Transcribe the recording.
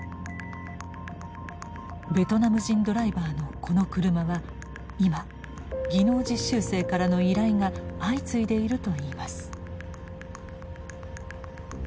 ベトナム人ドライバーのこの車は今技能実習生からの依頼が相次いでいるといいます。